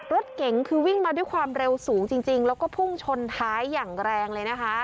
รถเก๋งคือวิ่งมาด้วยความเร็วสูงจริงแล้วก็พุ่งชนท้ายอย่างแรงเลยนะคะ